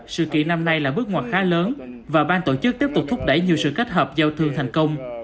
sự kiện năm nay là bước ngoặt khá lớn và ban tổ chức tiếp tục thúc đẩy nhiều sự kết hợp giao thương thành công